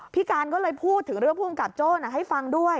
พี่การก็เลยพูดถึงเรื่องภูมิกับโจ้ให้ฟังด้วย